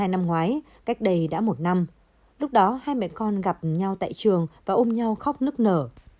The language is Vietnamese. năm ngoái cách đây đã một năm lúc đó hai mẹ con gặp nhau tại trường và ôm nhau khóc nức nở